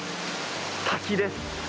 滝です。